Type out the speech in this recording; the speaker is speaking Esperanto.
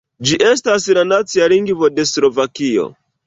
Ĝi estas la nacia lingvo de Slovakio.